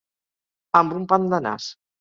Amb un pam de nas.